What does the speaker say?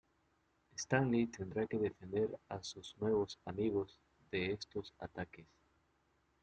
Stanley tendrá que defender a sus nuevos amigos de estos ataques...